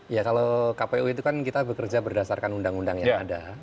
ya kalau kpu itu kan kita bekerja berdasarkan undang undang yang ada